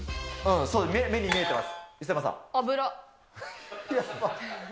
目に見えてます。